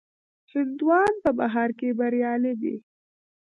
هندیان په بهر کې بریالي دي.